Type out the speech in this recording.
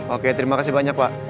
oke terima kasih banyak pak